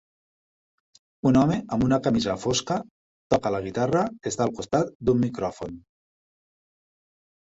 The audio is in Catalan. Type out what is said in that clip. Un home amb una camisa fosca toca la guitarra està al costat d'un micròfon.